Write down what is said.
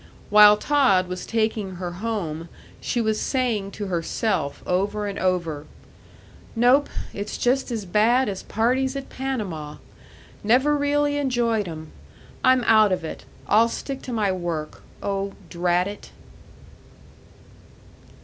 While Todd was taking her home she was saying to herself over and over, "Nope; it's just as bad as parties at Panama. Never really enjoyed 'em. I'm out of it. I'll stick to my work. Oh, drat it!"